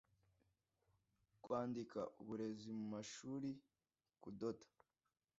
kwandika uburezi mu mashuri kudoda